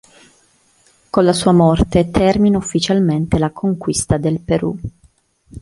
Con la sua morte termina ufficialmente la conquista del Perù.